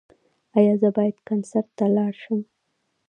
ایا زه باید کنسرت ته لاړ شم؟